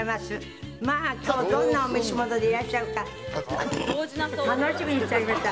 まあ今日どんなお召し物でいらっしゃるか楽しみにしておりました。